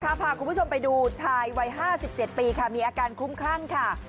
ข้าพาคุณผู้ชมไปดูชายวัยห้าสิบเจ็ดปีค่ะมีอาการคุ้มคลั่งค่ะ